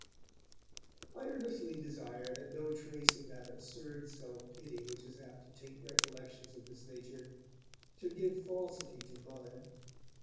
I earnestly desire that no trace of that absurd self pity which is apt to taint recollections of this nature should give falsity to mine.